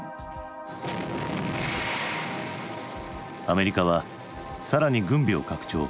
アメリカは更に軍備を拡張。